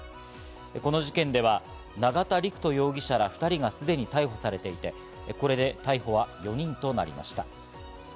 この事件では永田陸人容疑者ら２人がすでに逮捕されていて、これで逮捕は４人となりました。